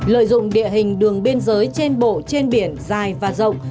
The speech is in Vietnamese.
lợi dụng địa hình đường biên giới trên bộ trên biển dài và rộng